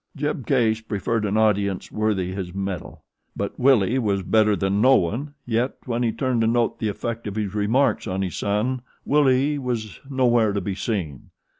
Jeb Case preferred an audience worthy his mettle; but Willie was better than no one, yet when he turned to note the effect of his remarks on his son, Willie was no where to be seen.